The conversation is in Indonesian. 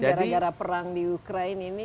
gara gara perang di ukraine ini